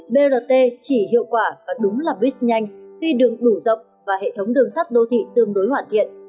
brt chỉ hiệu quả và đúng là bus nhanh khi đường đủ rộng và hệ thống đường sắt đô thị tương đối hoàn thiện